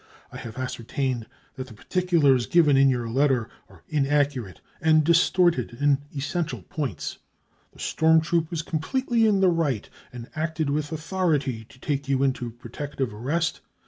" I have ascertained that the particulars given in your letter are inaccurate and distorted in essential points. The storm troop was completely in the right and acted with authority to take you into protective arrest.